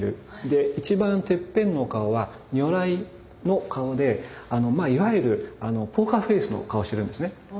で一番てっぺんのお顔は如来の顔でいわゆるポーカーフェースの顔をしているんですね。